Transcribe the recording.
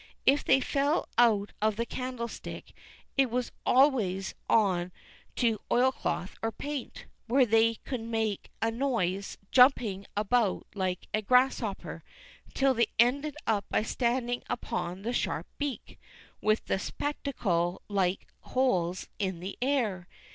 If they fell out of the candlestick, it was always on to oilcloth or paint, where they could make a noise jumping about like a grasshopper, till they ended by standing upon the sharp beak, with the spectacle like holes in the air.